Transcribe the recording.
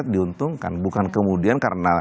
diuntungkan bukan kemudian karena